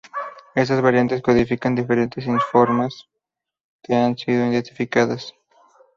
Estas variantes codifican diferentes isoformas que han sido identificadas.